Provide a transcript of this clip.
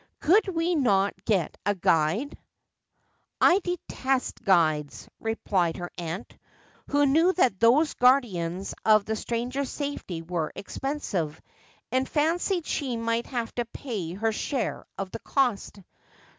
' Could we not get a guide ?'' I detest guides,' replied her aunt, who knew that those guardians of the strangers' safety were expensive, and fancied she might have to pay her share of the cost.